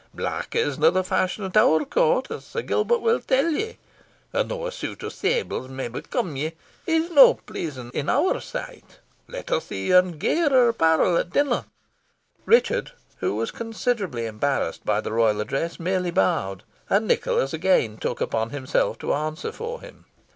Black isna the fashion at our court, as Sir Gilbert will tell ye, and, though a suit o' sables may become you, it's no pleasing in our sight. Let us see you in gayer apparel at dinner." Richard, who was considerably embarrassed by the royal address, merely bowed, and Nicholas again took upon himself to answer for him.